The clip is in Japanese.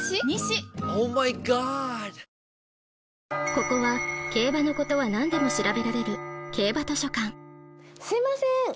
ここは競馬のことはなんでも調べられる競馬図書館すいません